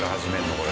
これ。